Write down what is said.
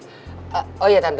kalau gitu saya pulang ya tante